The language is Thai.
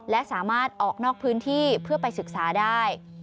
และสามารถออกนอกพื้นที่เพื่อไปศึกษาได้